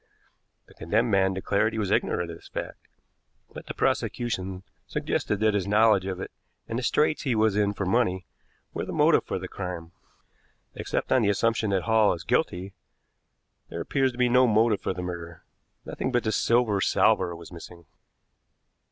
The condemned man declared he was ignorant of this fact, but the prosecution suggested that his knowledge of it and the straits he was in for money were the motive for the crime. Except on the assumption that Hall is guilty there appears to be no motive for the murder. Nothing but this silver salver was missing."